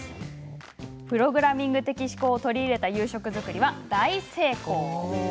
プログラミング的思考を取り入れた夕食作りは大成功。